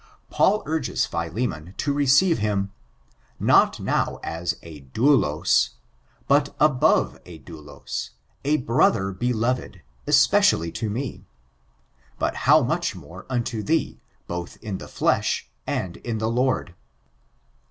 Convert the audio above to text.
Paul urges Philemon to receive him, not now as a douhs, but above a dauloi, a brother beloved, especially to me; but how much more unto thee, both in the flesh, and in thd Lord."